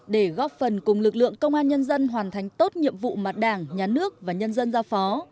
để góp phần cùng lực lượng công an nhân dân hoàn thành tốt nhiệm vụ mà đảng nhà nước và nhân dân giao phó